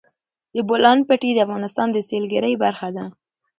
د بولان پټي د افغانستان د سیلګرۍ برخه ده.